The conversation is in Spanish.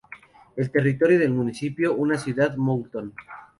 El territorio del municipio una ciudad, Moulton.